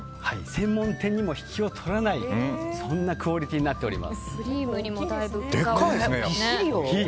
専門店にも引けを取らないそんなクオリティーにでかいですね。